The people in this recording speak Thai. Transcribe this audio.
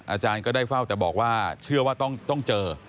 อาจารย์ก็ได้เฝ้าแต่บอกว่าเชื่อว่าต้องเจอ